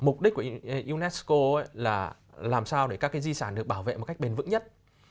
mục đích của unesco là làm sao để các cái di sản được bảo vệ một cách bền vững nhất